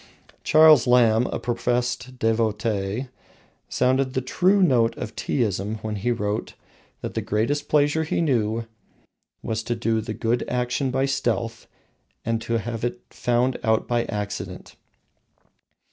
Charles Lamb, a professed devotee, sounded the true note of Teaism when he wrote that the greatest pleasure he knew was to do a good action by stealth, and to have it found out by accident.